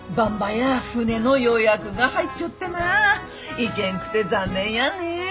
行けんくて残念やね。